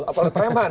atau oleh preman